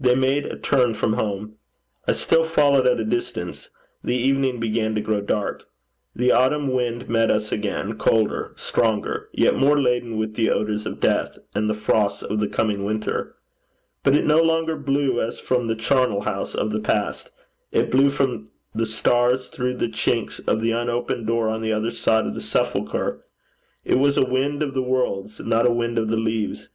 They made a turn from home. I still followed at a distance. The evening began to grow dark. The autumn wind met us again, colder, stronger, yet more laden with the odours of death and the frosts of the coming winter. But it no longer blew as from the charnel house of the past; it blew from the stars through the chinks of the unopened door on the other side of the sepulchre. It was a wind of the worlds, not a wind of the leaves.